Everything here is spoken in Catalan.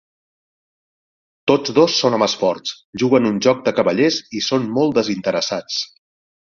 Tots dos són homes forts, juguen un joc de cavallers i són molt desinteressats.